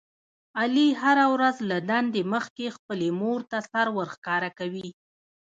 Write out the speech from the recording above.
علي هره ورځ له دندې مخکې خپلې مورته سر ورښکاره کوي.